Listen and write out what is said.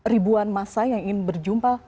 ribuan masa yang ingin berjumpa